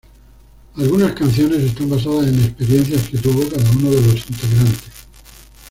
Algunas canciones están basadas en experiencias que tuvo cada uno de los integrantes.